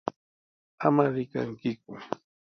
¡Ama rikankiku!